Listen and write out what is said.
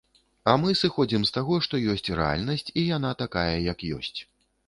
А мы сыходзім з таго, што ёсць рэальнасць, і яна такая, як ёсць.